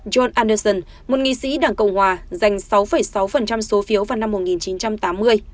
john anderson một nghị sĩ đảng cộng hòa giành sáu sáu số phiếu vào năm một nghìn chín trăm tám mươi